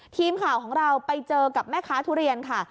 ทีมข่าวของเราไปเจอกับแม่ค้าทุเรียนค่ะ